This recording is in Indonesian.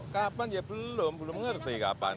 kapan ya belum belum ngerti kapan